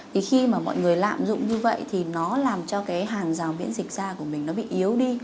thì khi mà mọi người lạm dụng như vậy thì nó làm cho cái hàng rào miễn dịch da của mình nó bị yếu đi